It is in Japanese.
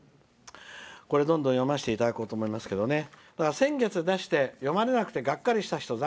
どんどん読ませていただこうと思ってますけど先月、読まれなくてがっかりした人